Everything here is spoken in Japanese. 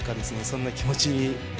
そんな気持ちに。